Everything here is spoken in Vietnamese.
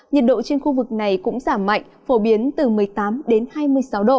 nhiệt độ trên khu vực này cũng giảm mạnh phổ biến từ một mươi tám đến hai mươi sáu độ